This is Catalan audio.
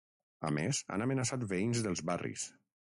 A més, han amenaçat veïns dels barris.